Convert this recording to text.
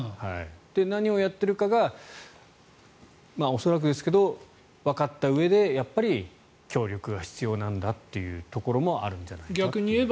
何をやっているかが恐らくですけどわかったうえでやっぱり協力が必要なんだっていうところもあるんじゃないかなっていう。